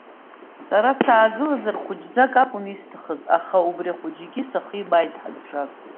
Сара саагылазар хәыҷӡак акәын исҭахыз, аха убри ахәыҷгьы сахибааит ҳазшаз.